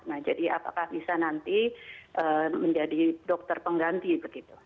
nah jadi apakah bisa nanti menjadi dokter pengganti begitu